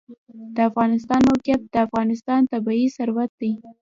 د افغانستان موقعیت د افغانستان طبعي ثروت دی.